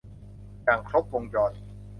อย่างครบวงจร